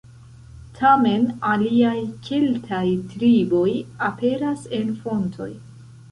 Tamen aliaj keltaj triboj aperas en fontoj.